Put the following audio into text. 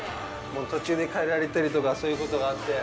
途中で代えられたりとかそういうことがあって。